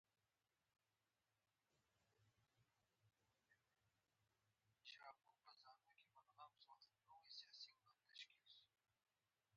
چې هر چا ته حق ورکوي.